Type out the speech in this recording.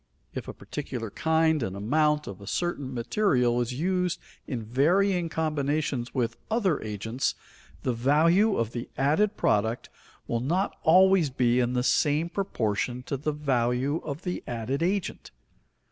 If a particular kind and amount of a certain material is used in varying combinations with other agents, the value of the added product will not always be in the same proportion to the value of the added agent.